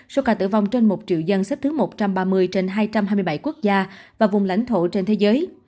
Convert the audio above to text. số ca tử vong trên một triệu dân xếp thứ một trăm ba mươi trên hai trăm hai mươi bảy quốc gia và vùng lãnh thổ trên thế giới